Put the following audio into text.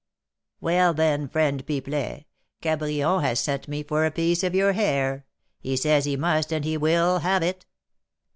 'Well, then, friend Pipelet, Cabrion has sent me for a piece of your hair; he says he must and he will have it.'"